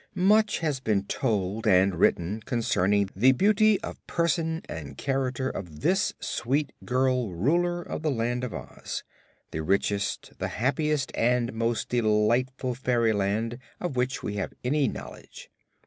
Much has been told and written concerning the beauty of person and character of this sweet girl Ruler of the Land of Oz the richest, the happiest and most delightful fairyland of which we have any knowledge.